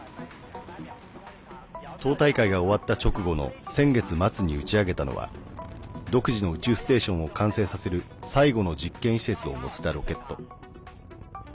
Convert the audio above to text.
党大会が終わった直後の先月末に打ち上げたのは独自の宇宙ステーションを完成させる最後の実験施設を載せたロケット。